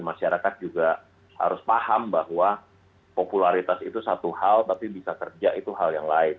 masyarakat juga harus paham bahwa popularitas itu satu hal tapi bisa kerja itu hal yang lain